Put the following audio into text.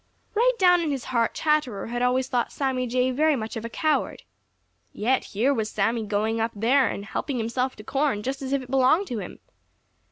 Right down in his heart Chatterer had always thought Sammy Jay very much of a coward. Yet here was Sammy going up there and helping himself to corn, just as if it belonged to him.